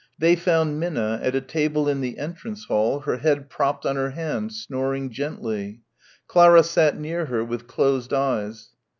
They found Minna at a table in the entrance hall her head propped on her hand, snoring gently. Clara sat near her with closed eyes.